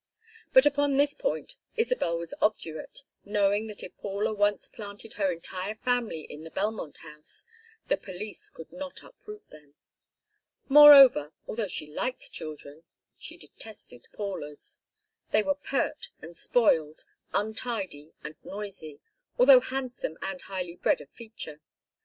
But upon this point Isabel was obdurate, knowing that if Paula once planted her entire family in the Belmont House the police could not uproot them. Moreover, although she liked children, she detested Paula's. They were pert and spoiled, untidy and noisy, although handsome and highly bred of feature.